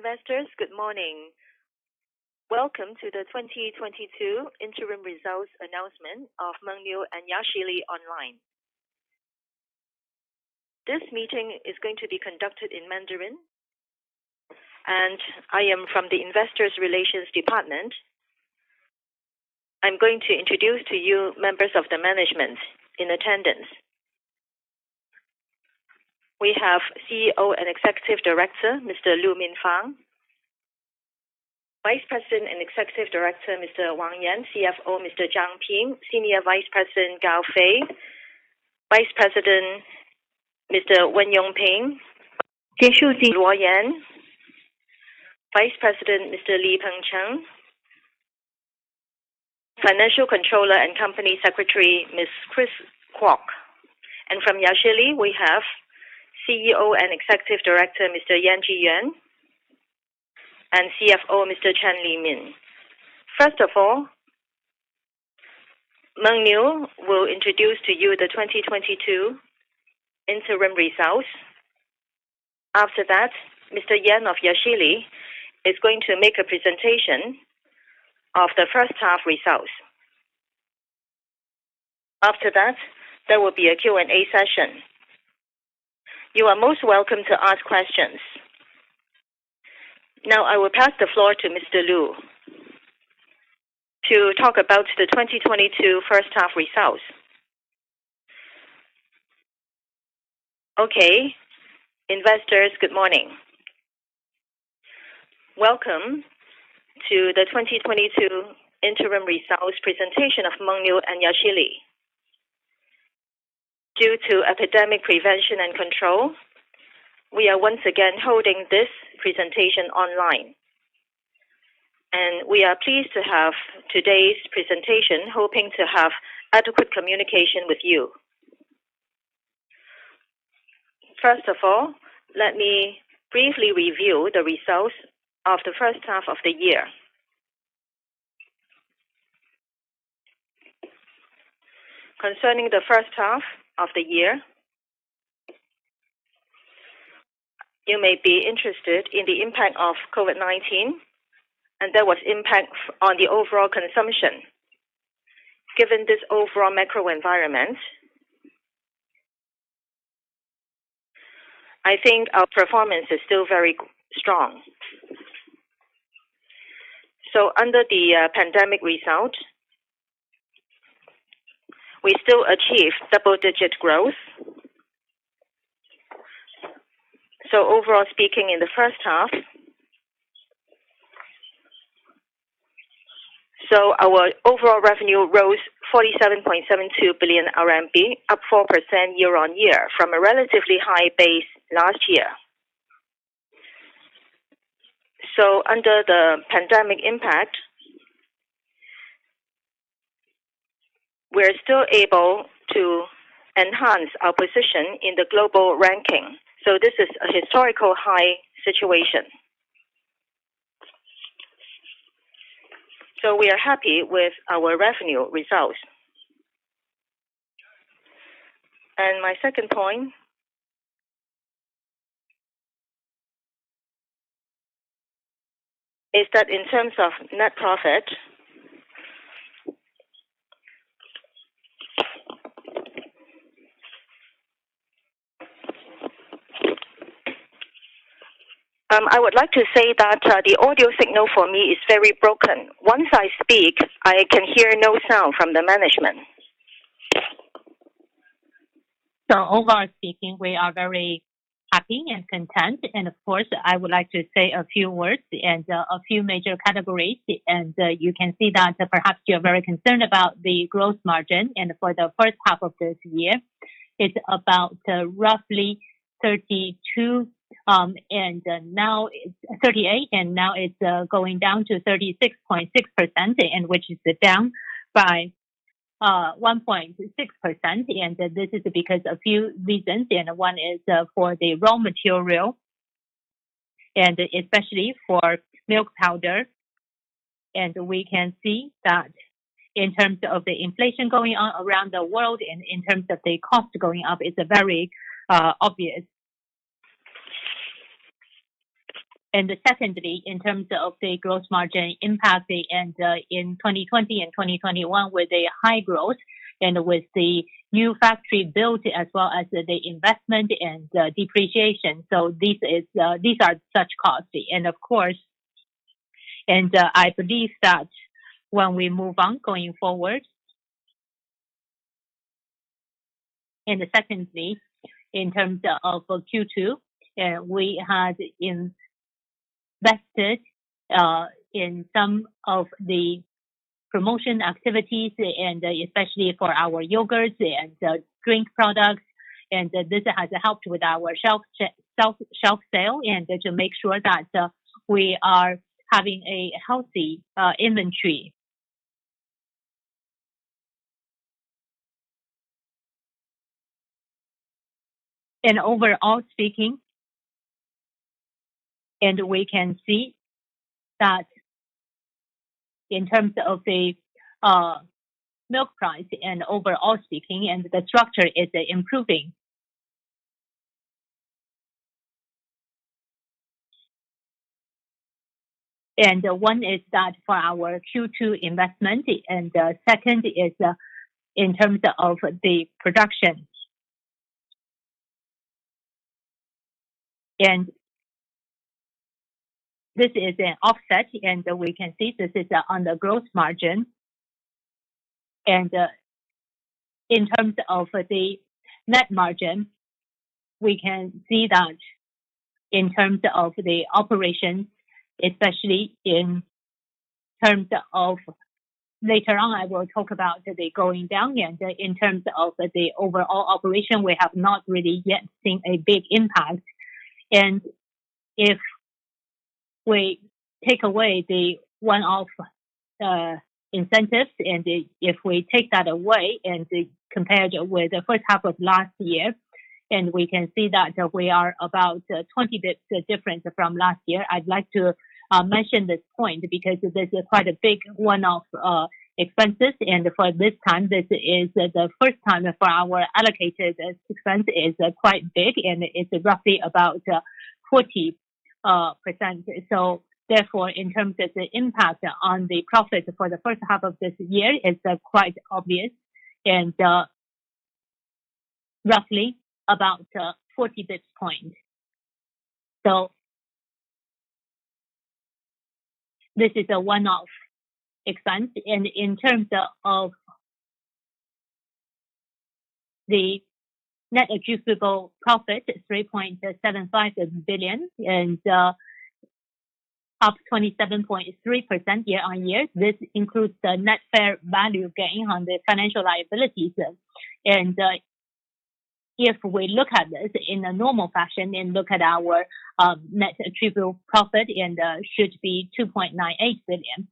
Investors, good morning. Welcome to the 2022 interim results announcement of Mengniu and Yashili online. This meeting is going to be conducted in Mandarin, and I am from the investors relations department. I'm going to introduce to you members of the management in attendance. We have CEO and Executive Director, Mr. Lu Minfang; Vice President and Executive Director, Mr. Wang Yan; CFO, Mr. Zhang Ping; Senior Vice President, Gao Fei; Vice President, Mr. Wen Yongping; [inaudible] Luo Yan; Vice President, Mr. Li Pengcheng; Financial Controller and Company Secretary, Ms. Chris Kwok. From Yashili, we have CEO and Executive Director, Mr. Yan Zhiyuan, and CFO, Mr. Chen Limin. First of all, Mengniu will introduce to you the 2022 interim results. After that, Mr. Yan of Yashili is going to make a presentation of the first half results. After that, there will be a Q&A session. You are most welcome to ask questions. Now, I will pass the floor to Mr. Lu to talk about the 2022 first half results. Okay. Investors, good morning. Welcome to the 2022 interim results presentation of Mengniu and Yashili. Due to epidemic prevention and control, we are once again holding this presentation online, and we are pleased to have today's presentation, hoping to have adequate communication with you. First of all, let me briefly review the results of the first half of the year. Concerning the first half of the year, you may be interested in the impact of COVID-19, and there was impact on the overall consumption. Given this overall macro environment, I think our performance is still very strong. Under the pandemic result, we still achieved double-digit growth. Overall speaking, in the first half, our overall revenue rose 47.72 billion RMB, up 4% year-on-year from a relatively high base last year. Under the pandemic impact, we're still able to enhance our position in the global ranking, so this is a historical high situation. We are happy with our revenue results. My second point is that in terms of net profit. I would like to say that the audio signal for me is very broken. Once I speak, I can hear no sound from the management. Overall speaking, we are very happy and content. Of course, I would like to say a few words and a few major categories. You can see that perhaps you are very concerned about the growth margin. For the first half of this year, it's about roughly 38, and now it's going down to 36.6%, and which is down by 1.6%. This is because a few reasons, and one is for the raw material, and especially for milk powder. We can see that in terms of the inflation going on around the world and in terms of the cost going up, it's very obvious. Secondly, in terms of the gross margin impact, in 2020 and 2021 with a high growth and with the new factory built, as well as the investment and depreciation. These are such costs. I believe that when we move on going forward. Secondly, in terms of Q2, we had invested in some of the promotion activities, especially for our yogurts and drink products, and this has helped with our shelf sale, and to make sure that we are having a healthy inventory. Overall speaking, we can see that in terms of the milk price and overall speaking, and the structure is improving. One is that for our Q2 investment, and second is in terms of the production. This is an offset, we can see this is on the gross margin. In terms of the net margin, we can see that in terms of the operation, especially in terms of, later on, I will talk about the going down. In terms of the overall operation, we have not really yet seen a big impact. If we take away the one-off incentives, if we take that away and compare with the first half of last year, we can see that we are about 20 basis points different from last year. I'd like to mention this point because this is quite a big one-off expenses. For this time, this is the first time for our allocated expense is quite big, and it's roughly about 40%. Therefore, in terms of the impact on the profit for the first half of this year is quite obvious and roughly about 40 basis points. This is a one-off expense. In terms of the net attributable profit, 3.75 billion and up 27.3% year-on-year. This includes the net fair value gain on the financial liabilities. If we look at this in a normal fashion and look at our net attributable profit and should be 2.98 billion.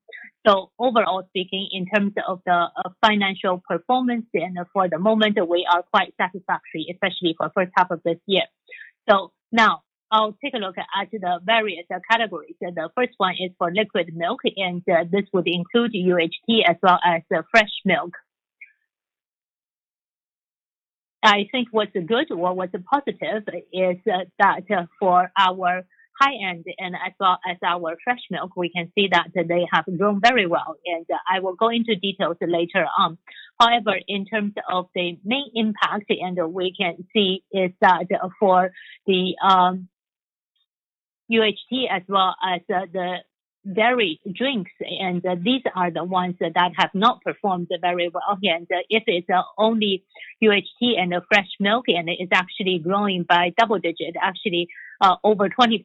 Overall speaking, in terms of the financial performance and for the moment, we are quite satisfactory, especially for first half of this year. Now I'll take a look at the various categories. The first one is for liquid milk, and this would include UHT as well as fresh milk. I think what's good or what's positive is that for our high-end and as well as our fresh milk, we can see that they have grown very well. I will go into details later on. However, in terms of the main impact, we can see is that for the UHT as well as the dairy drinks, these are the ones that have not performed very well here. If it's only UHT and fresh milk, it's actually growing by double digits, actually, over 20%.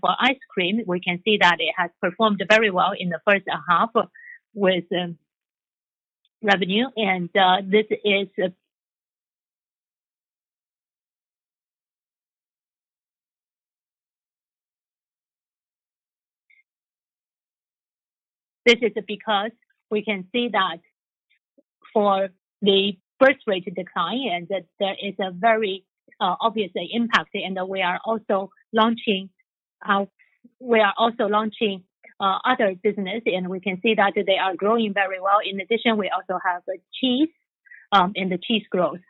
For ice cream, we can see that it has performed very well in the first half with revenue. This is because we can see that for the birth rate decline, there is a very obvious impact. We are also launching other business, and we can see that they are growing very well. In addition, we also have cheese, and the cheese growth.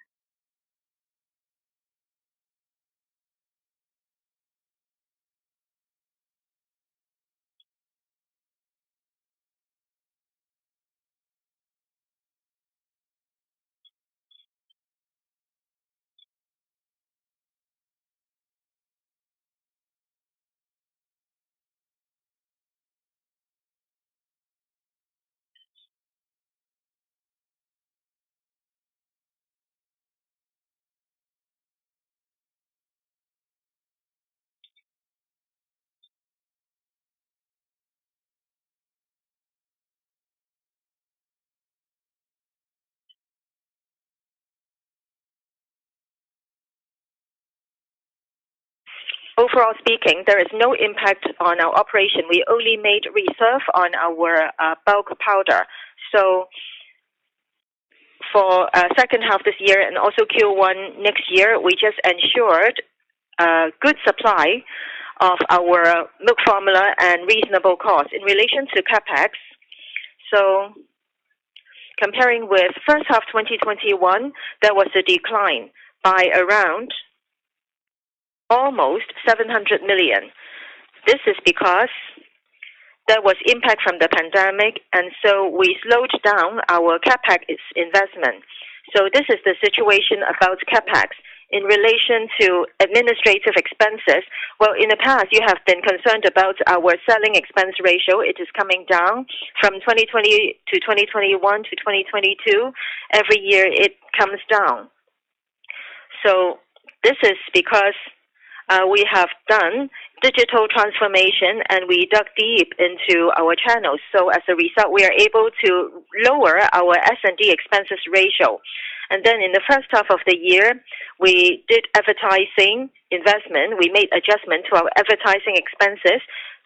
Overall speaking, there is no impact on our operation. We only made reserve on our bulk powder. For second half this year and also Q1 next year, we just ensured a good supply of our milk formula at reasonable cost. In relation to CapEx, comparing with first half 2021, there was a decline by around almost 700 million. This is because there was impact from the pandemic, we slowed down our CapEx investment. This is the situation about CapEx. In relation to administrative expenses. Well, in the past, you have been concerned about our selling expense ratio. It is coming down from 2020 to 2021 to 2022. Every year it comes down. This is because we have done digital transformation, and we dug deep into our channels. As a result, we are able to lower our S&D expenses ratio. In the first half of the year, we did advertising investment. We made adjustment to our advertising expenses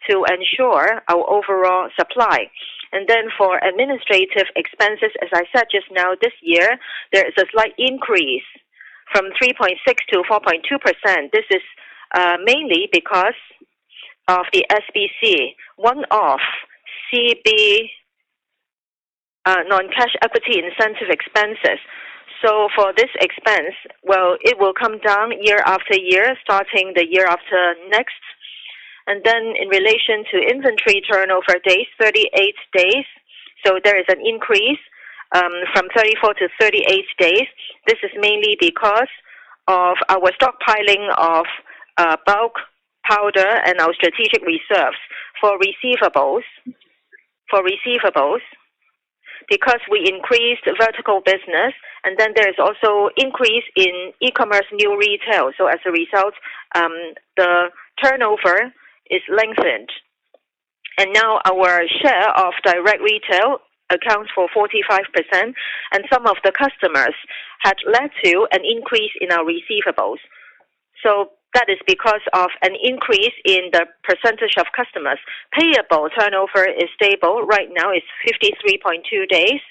to ensure our overall supply. For administrative expenses, as I said just now, this year, there is a slight increase. From 3.6%-4.2%. This is mainly because of the SBC one-off CB non-cash equity incentive expenses. For this expense, well, it will come down year after year, starting the year after next. In relation to inventory turnover days, 38 days. There is an increase from 34-38 days. This is mainly because of our stockpiling of bulk powder and our strategic reserves. For receivables, because we increased vertical business, there is also increase in e-commerce new retail. As a result, the turnover is lengthened. Now our share of direct retail accounts for 45%, and some of the customers had led to an increase in our receivables. That is because of an increase in the percentage of customers. Payable turnover is stable. Right now, it's 53.2 days,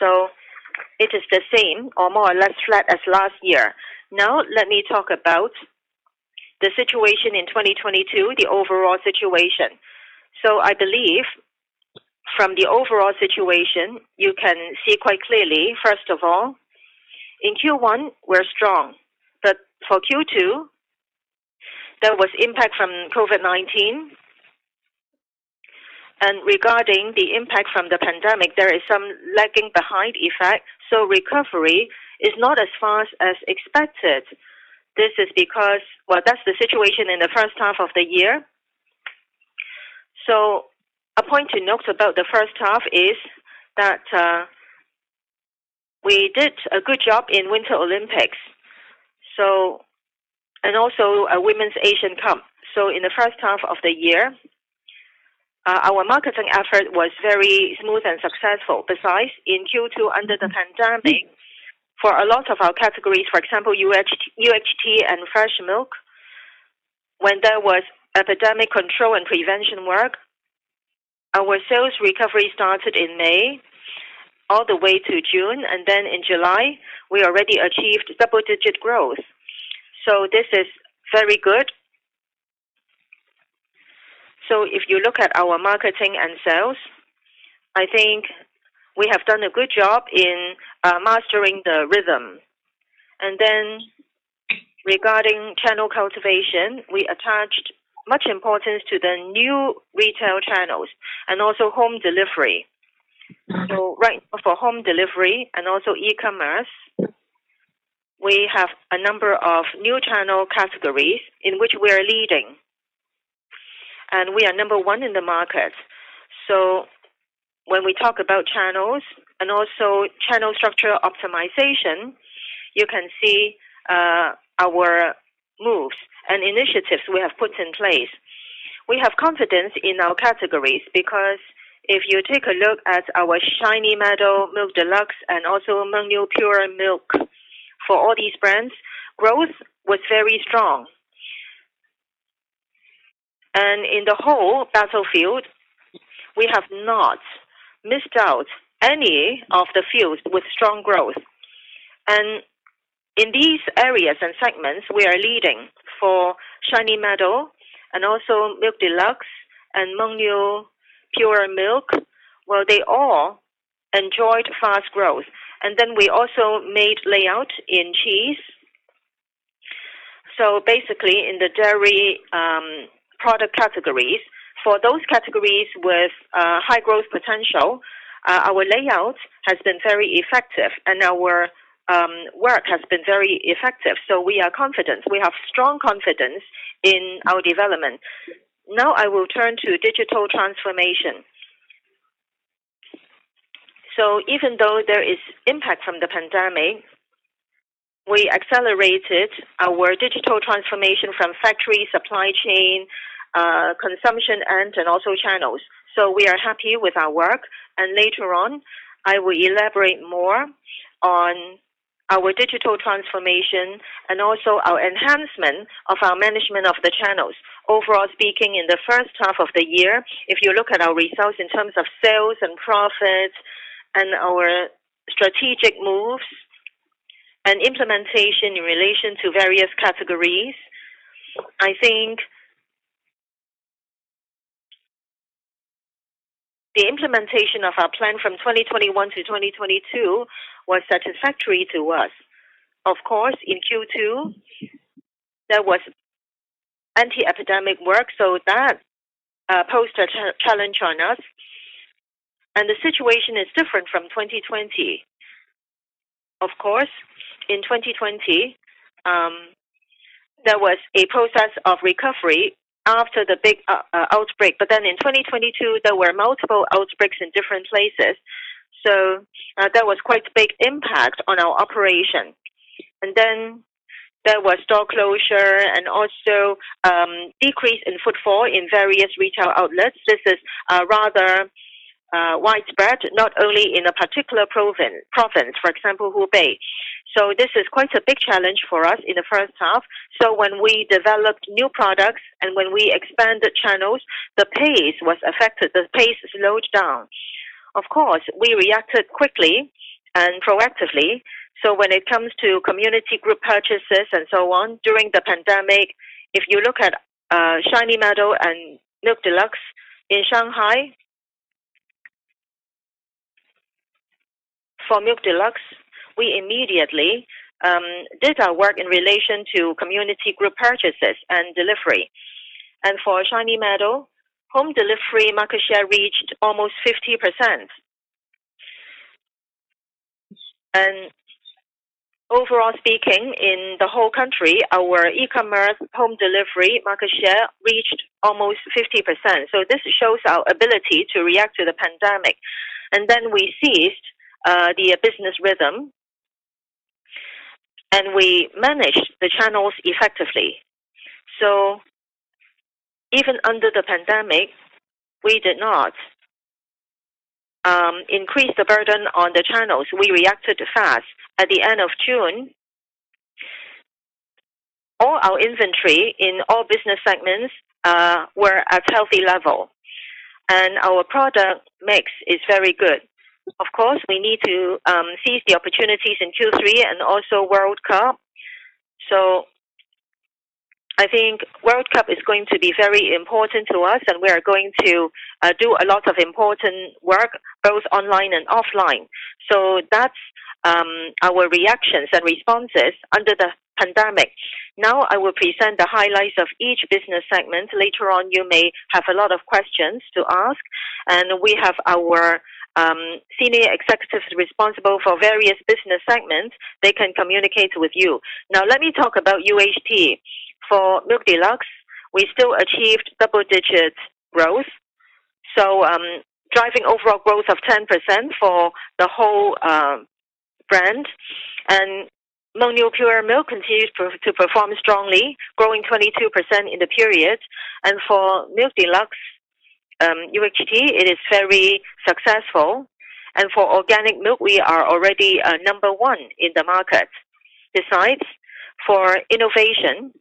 so it is the same or more or less flat as last year. Now, let me talk about the situation in 2022, the overall situation. I believe from the overall situation, you can see quite clearly, first of all, in Q1, we're strong. For Q2, there was impact from COVID-19. Regarding the impact from the pandemic, there is some lagging behind effect, so recovery is not as fast as expected. This is because. Well, that's the situation in the first half of the year. A point to note about the first half is that we did a good job in Winter Olympics, and also a Women's Asian Cup. In the first half of the year, our marketing effort was very smooth and successful. Besides, in Q2, under the pandemic, for a lot of our categories, for example, UHT and fresh milk, when there was epidemic control and prevention work, our sales recovery started in May all the way to June, and then in July, we already achieved double-digit growth. This is very good. If you look at our marketing and sales, I think we have done a good job in mastering the rhythm. Regarding channel cultivation, we attached much importance to the new retail channels and also home delivery. Right for home delivery and also e-commerce, we have a number of new channel categories in which we are leading, and we are number one in the market. When we talk about channels and also channel structure optimization, you can see our moves and initiatives we have put in place. We have confidence in our categories because if you take a look at our Shiny Meadow, Milk Deluxe, and also Mengniu Pure Milk, for all these brands, growth was very strong. In the whole battlefield, we have not missed out any of the fields with strong growth. In these areas and segments, we are leading for Shiny Meadow and also Milk Deluxe and Mengniu Pure Milk. They all enjoyed fast growth. We also made layout in cheese. Basically, in the dairy, product categories, for those categories with high growth potential, our layout has been very effective, and our work has been very effective. We are confident. We have strong confidence in our development. Now, I will turn to digital transformation. Even though there is impact from the pandemic, we accelerated our digital transformation from factory, supply chain, consumption end, and also channels. We are happy with our work. Later on, I will elaborate more on our digital transformation and also our enhancement of our management of the channels. Overall speaking, in the first half of the year, if you look at our results in terms of sales and profit and our strategic moves and implementation in relation to various categories, I think the implementation of our plan from 2021 to 2022 was satisfactory to us. Of course, in Q2, there was anti-epidemic work, so that posed a challenge on us. The situation is different from 2020. Of course, in 2020, there was a process of recovery after the big outbreak. In 2022, there were multiple outbreaks in different places, there was quite big impact on our operation. There was store closure and also decrease in footfall in various retail outlets. This is rather widespread, not only in a particular province, for example, Hubei. This is quite a big challenge for us in the first half. When we developed new products and when we expanded channels, the pace was affected. The pace slowed down. Of course, we reacted quickly and proactively. When it comes to community group purchases and so on during the pandemic, if you look at Shiny Meadow and Milk Deluxe in Shanghai. For Milk Deluxe, we immediately did our work in relation to community group purchases and delivery. For Shiny Meadow, home delivery market share reached almost 50%. Overall speaking, in the whole country, our e-commerce home delivery market share reached almost 50%. This shows our ability to react to the pandemic. Then we seized the business rhythm, and we managed the channels effectively. Even under the pandemic, we did not increase the burden on the channels. We reacted fast. At the end of June, all our inventory in all business segments were at healthy level, and our product mix is very good. Of course, we need to seize the opportunities in Q3 and also World Cup. I think World Cup is going to be very important to us, and we are going to do a lot of important work, both online and offline. That's our reactions and responses under the pandemic. Now, I will present the highlights of each business segment. Later on, you may have a lot of questions to ask, and we have our senior executives responsible for various business segments. They can communicate with you. Now, let me talk about UHT. For Milk Deluxe, we still achieved double-digit growth. Driving overall growth of 10% for the whole brand. Mengniu Pure Milk continued to perform strongly, growing 22% in the period. For Milk Deluxe, UHT, it is very successful. For organic milk, we are already number one in the market. Besides, for innovation,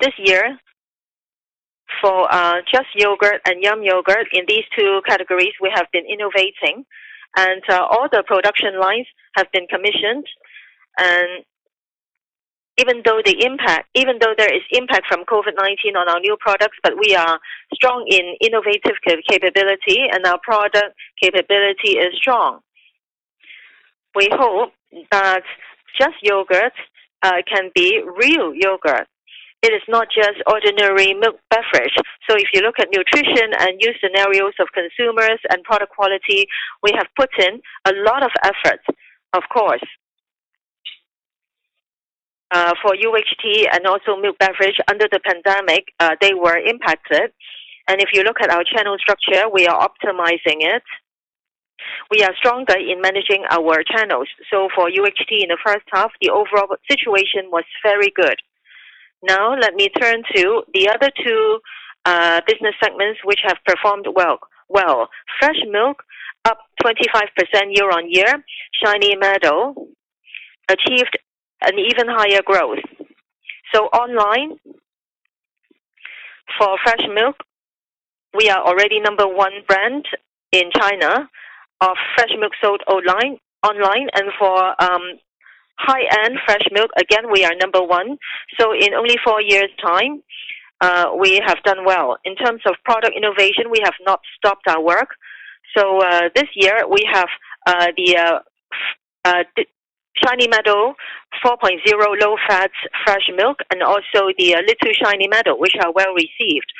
this year, for Just Yoghurt and Yummy Yoghurt, in these two categories, we have been innovating, and all the production lines have been commissioned. Even though there is impact from COVID-19 on our new products, but we are strong in innovative capability, and our product capability is strong. We hope that Just Yoghurt can be real yogurt. It is not just ordinary milk beverage. If you look at nutrition and new scenarios of consumers and product quality, we have put in a lot of effort, of course. For UHT and also milk beverage, under the pandemic, they were impacted. If you look at our channel structure, we are optimizing it. We are stronger in managing our channels. For UHT in the first half, the overall situation was very good. Let me turn to the other two business segments which have performed well. Fresh milk, up 25% year-on-year. Shiny Meadow achieved an even higher growth. Online, for fresh milk, we are already number one brand in China of fresh milk sold online. For high-end fresh milk, again, we are number one. In only four years' time, we have done well. In terms of product innovation, we have not stopped our work. This year, we have the Shiny Meadow 4.0 low-fat fresh milk and also the Little Shiny Meadow, which are well-received.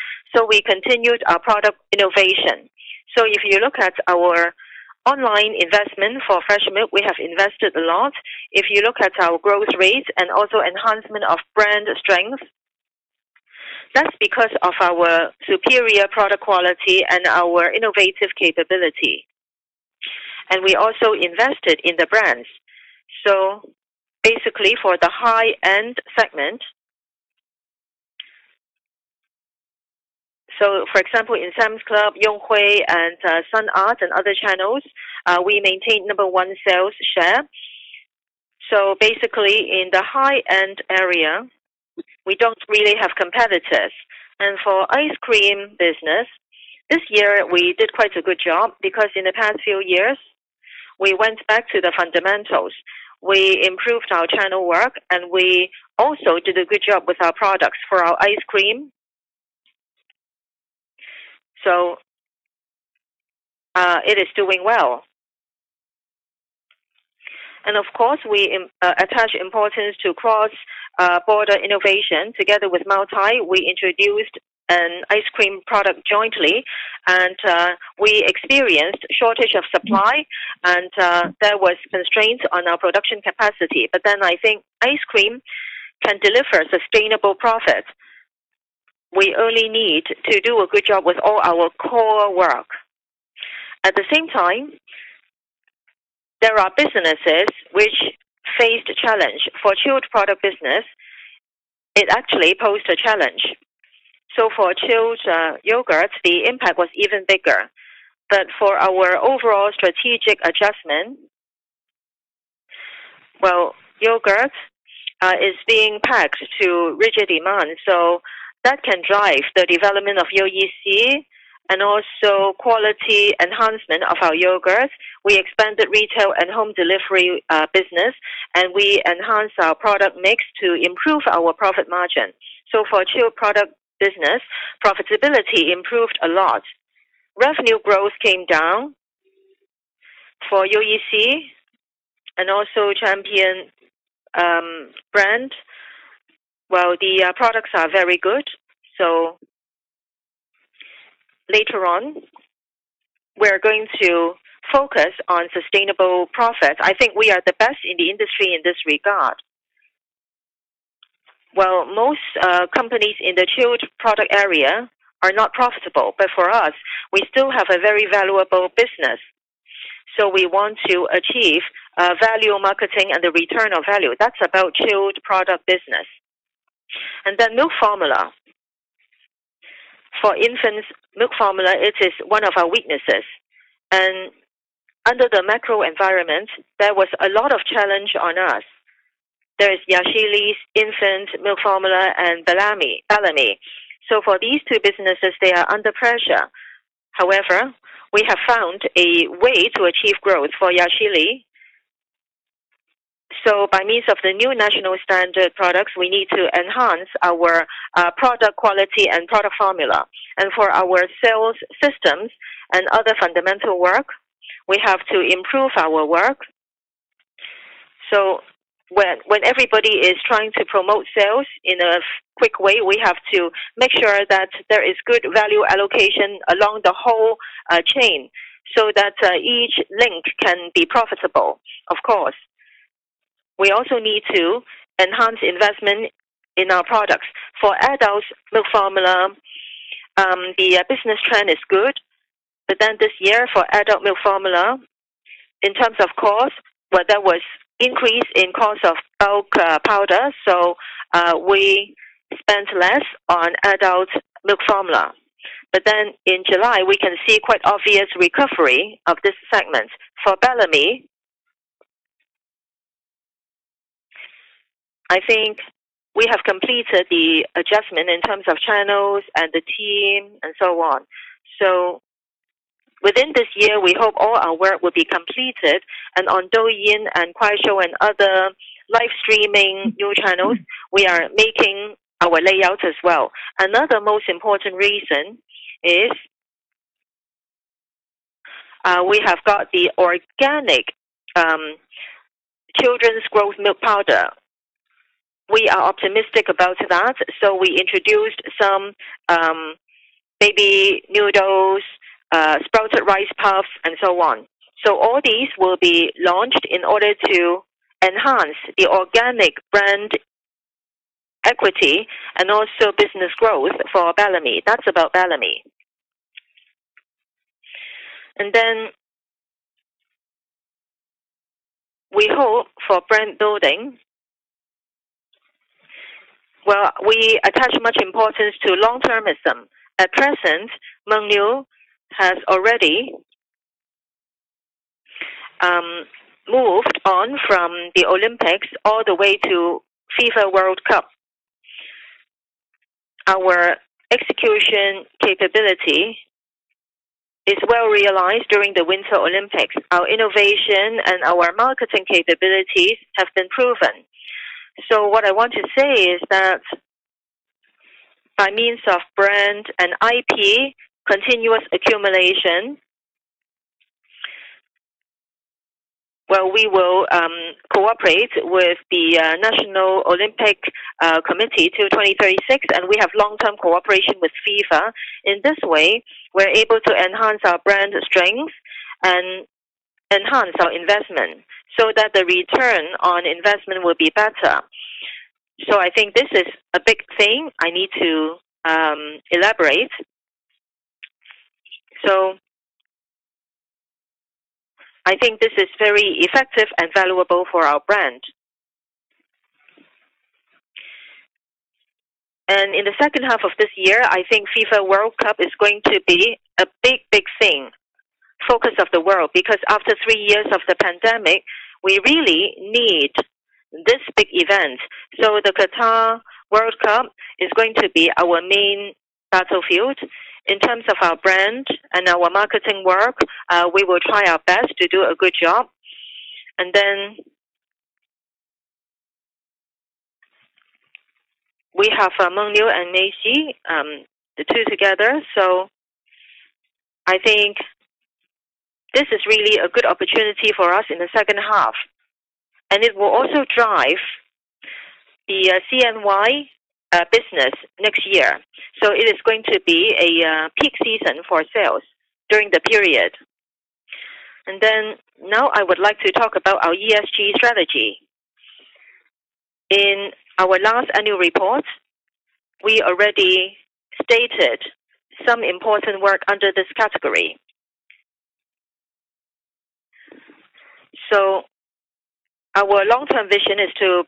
We continued our product innovation. If you look at our online investment for fresh milk, we have invested a lot. If you look at our growth rate and also enhancement of brand strength, that's because of our superior product quality and our innovative capability. We also invested in the brands. Basically, for the high-end segment, for example, in Sam's Club, Yonghui, and Sun Art, and other channels, we maintain number one sales share. Basically, in the high-end area, we don't really have competitors. For ice cream business, this year, we did quite a good job because in the past few years, we went back to the fundamentals. We improved our channel work, we also did a good job with our products for our ice cream. It is doing well. Of course, we attach importance to cross border innovation. Together with Moutai, we introduced an ice cream product jointly, we experienced shortage of supply, there was constraints on our production capacity. I think ice cream can deliver sustainable profit. We only need to do a good job with all our core work. At the same time, there are businesses which faced challenge. For chilled product business, it actually posed a challenge. For chilled yogurt, the impact was even bigger. For our overall strategic adjustment, yogurt is being pegged to rigid demand, so that can drive the development of Yoyi C and also quality enhancement of our yogurt. We expanded retail and home delivery business, and we enhanced our product mix to improve our profit margin. For chilled product business, profitability improved a lot. Revenue growth came down. For Yoyi C and also Champion brand, the products are very good. Later on, we're going to focus on sustainable profit. I think we are the best in the industry in this regard. Most companies in the chilled product area are not profitable. For us, we still have a very valuable business. We want to achieve value marketing and the return of value. That's about chilled product business. Milk formula. For infant's milk formula, it is one of our weaknesses. Under the macro environment, there was a lot of challenge on us. There is Yashili's infant milk formula and Bellamy's Organic. For these two businesses, they are under pressure. However, we have found a way to achieve growth for Yashili. By means of the new national standard products, we need to enhance our product quality and product formula. For our sales systems and other fundamental work, we have to improve our work. When everybody is trying to promote sales in a quick way, we have to make sure that there is good value allocation along the whole chain, so that each link can be profitable. Of course, we also need to enhance investment in our products. For adult milk formula, the business trend is good. This year, for adult milk formula, in terms of cost, there was increase in cost of milk powder, so we spent less on adult milk formula. In July, we can see quite obvious recovery of this segment. For Bellamy, I think we have completed the adjustment in terms of channels and the team and so on. Within this year, we hope all our work will be completed and on Douyin and Kuaishou and other live streaming new channels, we are making our layout as well. Another most important reason is we have got the organic children's growth milk powder. We are optimistic about that, so we introduced some baby noodles, sprouted rice puffs, and so on. All these will be launched in order to enhance the organic brand equity and also business growth for Bellamy. That's about Bellamy. We hope for brand building. We attach much importance to long-termism. At present, Mengniu has already moved on from the Olympics all the way to FIFA World Cup. Our execution capability is well realized during the Winter Olympics. Our innovation and our marketing capabilities have been proven. What I want to say is that by means of brand and IP, continuous accumulation, we will cooperate with the International Olympic Committee till 2036, and we have long-term cooperation with FIFA. In this way, we're able to enhance our brand strength and enhance our investment so that the return on investment will be better. I think this is a big thing I need to elaborate. I think this is very effective and valuable for our brand. In the second half of this year, I think FIFA World Cup is going to be a big, big thing, focus of the world, because after 3 years of the pandemic, we really need this big event. The Qatar World Cup is going to be our main battlefield. In terms of our brand and our marketing work, we will try our best to do a good job. We have Mengniu and Messi, the two together, I think this is really a good opportunity for us in the second half. It will also drive the CNY business next year. It is going to be a peak season for sales during the period. Now I would like to talk about our ESG strategy. In our last annual report, we already stated some important work under this category. Our long-term vision is to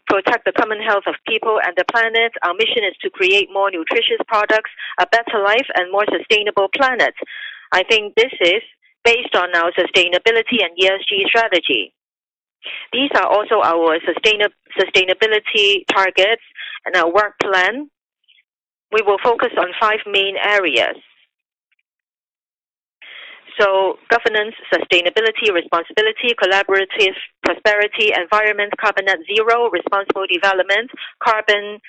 common health of people and the planet. Our mission is to create more nutritious products, a better life, and more sustainable planet. I think, this is based on our sustainability and ESG strategy. These are also our sustainability targets and our work plan. We will focus on five main areas. Governance, sustainability, responsibility, collaborative prosperity, environment, carbon net zero, responsible development, carbon,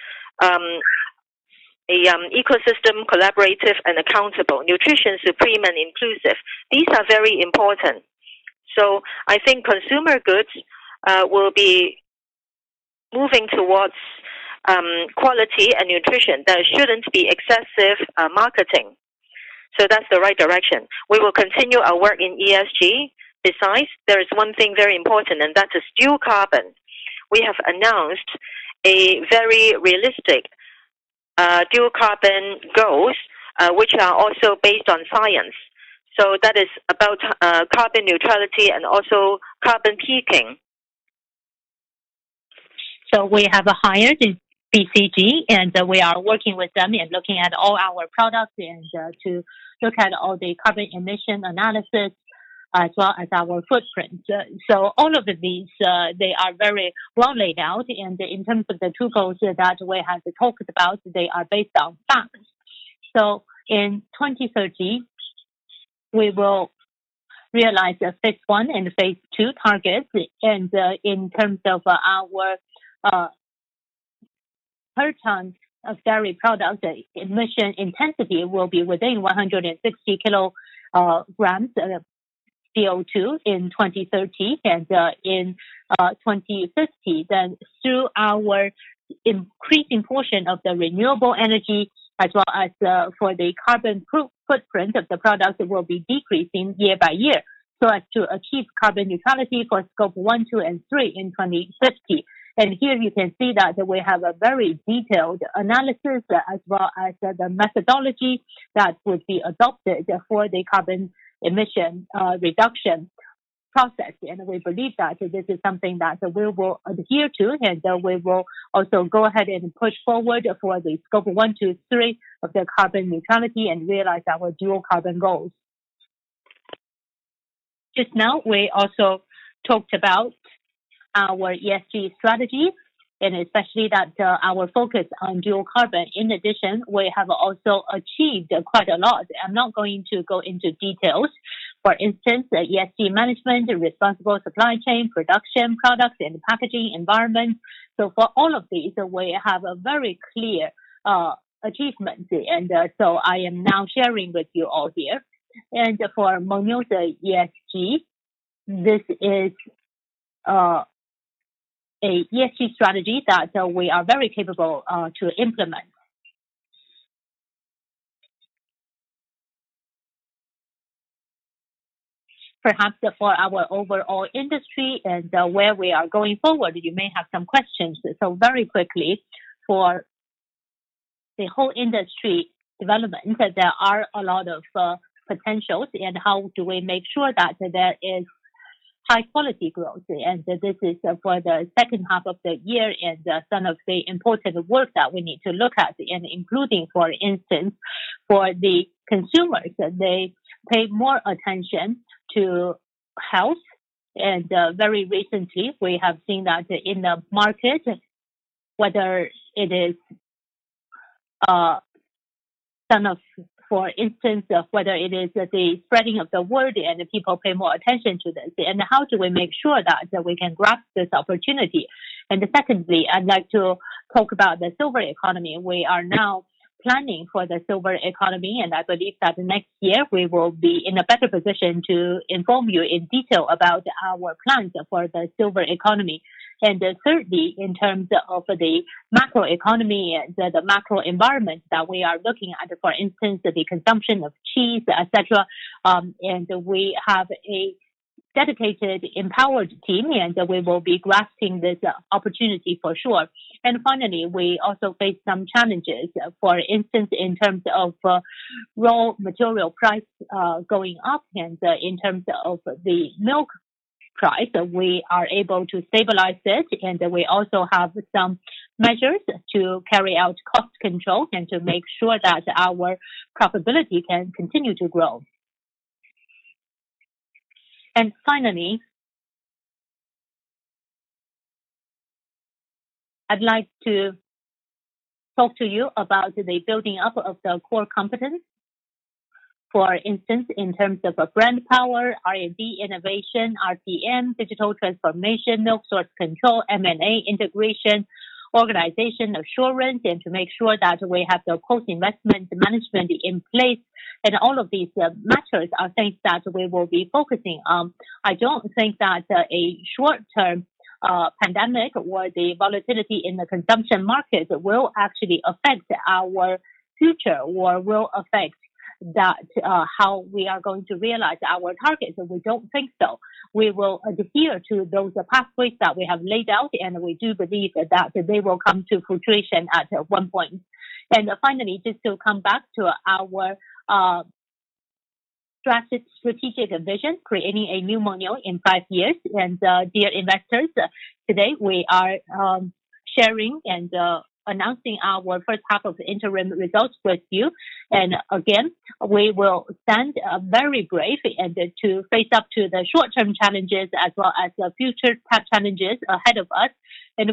ecosystem, collaborative and accountable, nutrition, supreme and inclusive. These are very important. I think consumer goods will be moving towards quality and nutrition. There shouldn't be excessive marketing. That's the right direction. We will continue our work in ESG. Besides, there is one thing very important, and that is dual carbon. We have announced a very realistic dual carbon goals, which are also based on science. That is about carbon neutrality and also carbon peaking. We have hired BCG, and we are working with them and looking at all our products and to look at all the carbon emission analysis as well as our footprint. All of these, they are very well laid out. In terms of the two goals that we have talked about, they are based on facts. In 2030, we will realize the phase one and phase two targets. In terms of our per ton of dairy product, emission intensity will be within 160 kilograms of CO2 in 2030. In 2050, through our increasing portion of the renewable energy as well as for the carbon footprint of the product, it will be decreasing year by year, so as to achieve carbon neutrality for scope one, two, and three in 2050. Here you can see that we have a very detailed analysis as well as the methodology that would be adopted for the carbon emission reduction process. We believe that this is something that we will adhere to, and we will also go ahead and push forward for the scope one, two, three of the carbon neutrality and realize our dual carbon goals. Just now, we also talked about our ESG strategy and especially that our focus on dual carbon. In addition, we have also achieved quite a lot. I'm not going to go into details. For instance, ESG management, responsible supply chain, production, products, and packaging environment. For all of these, we have a very clear achievement. I am now sharing with you all here. For Mengniu's ESG, this is a ESG strategy that we are very capable to implement. Perhaps for our overall industry and where we are going forward, you may have some questions. Very quickly, for the whole industry development, there are a lot of potentials and how do we make sure that there is high quality growth. This is for the second half of the year and some of the important work that we need to look at, including, for instance, for the consumers, they pay more attention to health. Very recently, we have seen that in the market, for instance whether it is the spreading of the word and people pay more attention to this. How do we make sure that we can grasp this opportunity? Secondly, I'd like to talk about the silver economy. We are now planning for the silver economy, and I believe that next year we will be in a better position to inform you in detail about our plans for the silver economy. Thirdly, in terms of the macro economy and the macro environment that we are looking at, for instance, the consumption of cheese, et cetera, and we have a dedicated, empowered team, and we will be grasping this opportunity for sure. Finally, we also face some challenges. For instance, in terms of raw material price going up, in terms of the milk price, we are able to stabilize it. We also have some measures to carry out cost control and to make sure that our profitability can continue to grow. Finally, I'd like to talk to you about the building up of the core competence. For instance, in terms of brand power, R&D, innovation, RTM, digital transformation, milk source control, M&A integration, organization assurance, and to make sure that we have the cost investment management in place. All of these measures are things that we will be focusing on. I don't think that a short-term pandemic or the volatility in the consumption market will actually affect our future or will affect that how we are going to realize our targets. We don't think so. We will adhere to those pathways that we have laid out. We do believe that they will come to fruition at one point. Finally, just to come back to our strategic vision, creating a new Mengniu in five years. Dear investors, today we are sharing and announcing our first half of interim results with you. Again, we will stand very brave and to face up to the short-term challenges as well as the future challenges ahead of us.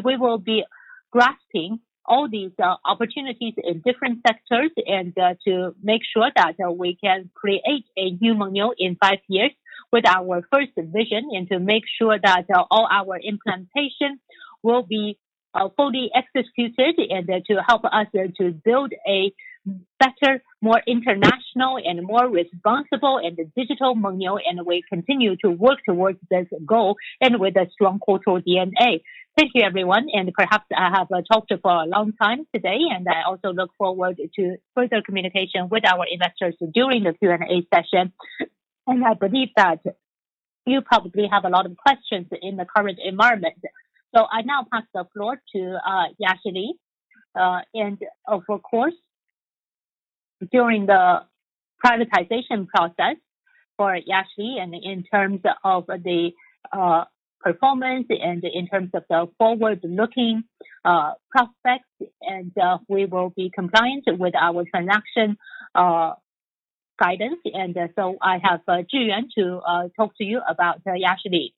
We will be grasping all these opportunities in different sectors and to make sure that we can create a new Mengniu in five years with our first vision and to make sure that all our implementations will be fully executed and to help us to build a better, more international and more responsible and digital Mengniu. We continue to work towards this goal and with a strong cultural DNA. Thank you everyone, and perhaps I have talked for a long time today, and I also look forward to further communication with our investors during the Q&A session. I believe that you probably have a lot of questions in the current environment. I now pass the floor to Yashili. Of course, during the privatization process for Yashili and in terms of the performance and in terms of the forward-looking prospects, we will be compliant with our transaction guidance. I have Yan Zhiyuan to talk to you about Yashili.